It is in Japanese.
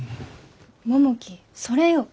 百喜それよ。